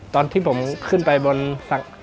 ตอนที่ผมขึ้นไปบนฝั่ง